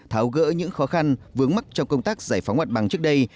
tháo gỡ những khó khăn vướng mắt trong công tác giải phóng mặt bằng trước đây